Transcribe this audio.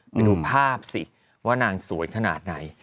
ไปดูภาพสิว่านางสวยขนาดไหน